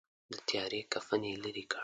د تیارې کفن یې لیري کړ.